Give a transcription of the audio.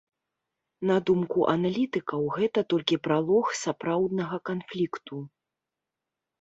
На думку аналітыкаў, гэта толькі пралог сапраўднага канфлікту.